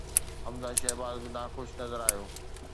حمزه شهباز به ناخوش نظر آيو.